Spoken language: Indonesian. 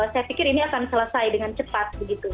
saya pikir ini akan selesai dengan cepat begitu